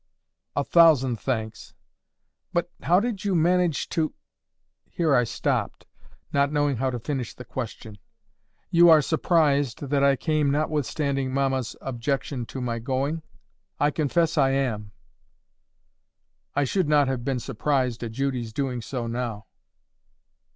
"A thousand thanks. But how did you manage to—?" Here I stopped, not knowing how to finish the question. "You are surprised that I came, notwithstanding mamma's objection to my going?" "I confess I am. I should not have been surprised at Judy's doing so, now."